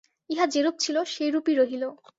ইহা যেরূপ ছিল, সেইরূপই রহিল।